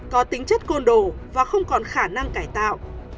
có tính chất côn đồ và không còn khả năng cải tạo